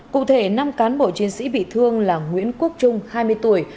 cụ thể năm cán bộ chiến sĩ bị thương là nguyễn quốc trung hai mươi tuổi